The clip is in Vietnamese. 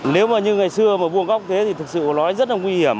nếu mà như ngày xưa mà vùng góc thế thì thực sự nó rất là nguy hiểm